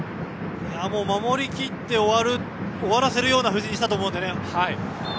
もう守りきって終わらせるような布陣にしたと思うんで。